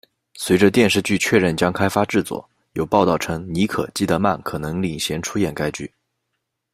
随着电视剧确认将开发制作，有报道称妮可·基德曼可能领衔出演该剧。